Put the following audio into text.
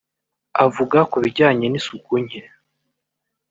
Avuga ku bijyanye n’isuku nke